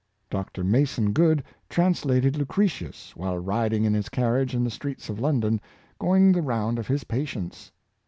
Dr Mason Good translated Lucretius while riding in his carriage in the streets of London, going the round of his patients.